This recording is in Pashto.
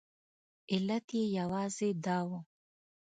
علت یې یوازې دا و.